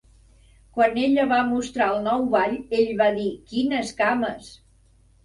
Quan ella va mostrar el nou ball, ell va dir: "Quines cames!"